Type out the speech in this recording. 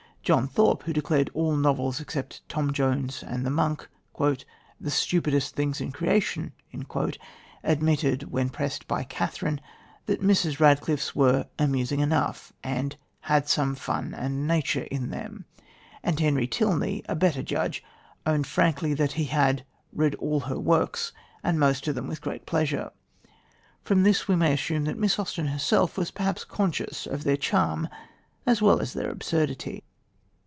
John Thorpe, who declared all novels, except Tom Jones and The Monk, "the stupidest things in creation," admitted, when pressed by Catherine, that Mrs. Radcliffe's were "amusing enough" and "had some fun and nature in them"; and Henry Tilney, a better judge, owned frankly that he had "read all her works, and most of them with great pleasure." From this we may assume that Miss Austen herself was perhaps conscious of their charm as well as their absurdity.